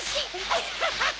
アハハハ！